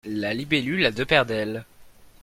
La libellule a deux paires d'ailes.